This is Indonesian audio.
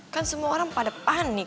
kan semua orang pada panik